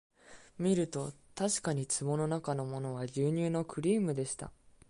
みるとたしかに壺のなかのものは牛乳のクリームでした